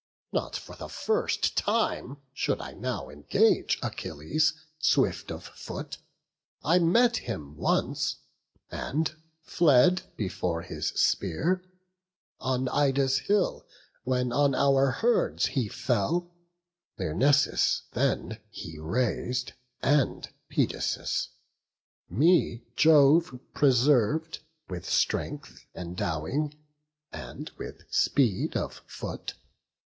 Not for the first time should I now engage Achilles swift of foot: I met him once, And fled before his spear, on Ida's hill, When on our herds he fell; Lyrnessus then He raz'd, and Pedasus; me Jove preserv'd, With strength, endowing, and with speed of foot.